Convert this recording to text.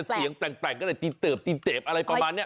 เสียงแปลกก็เลยติเติบติเตบอะไรประมาณเนี่ย